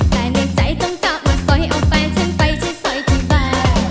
แต่ในใจคงกราบมันถอยเอาแฟนฉันไปใช้ซอยพีเวร